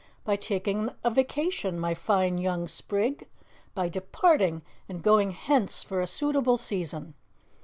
"By taking a vacation, my fine young sprig. By departing and going hence for a suitable season.